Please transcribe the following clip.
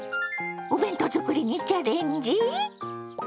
お弁当作りにチャレンジ？